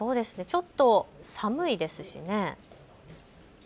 ちょっと寒いですしね。